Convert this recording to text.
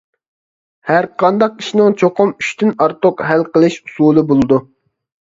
ھەرقانداق ئىشنىڭ چوقۇم ئۈچتىن ئارتۇق ھەل قىلىش ئۇسۇلى بولىدۇ.